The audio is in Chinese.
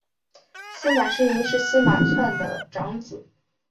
司马世云是司马纂的长子。